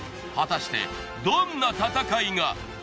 果たしてどんな戦いが！？